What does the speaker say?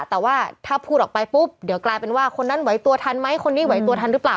แต่ว่าถ้าพูดออกไปปุ๊บเดี๋ยวกลายเป็นว่าคนนั้นไหวตัวทันไหมคนนี้ไหวตัวทันหรือเปล่า